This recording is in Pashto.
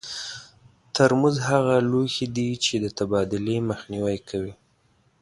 ترموز هغه لوښي دي چې د تبادلې مخنیوی کوي.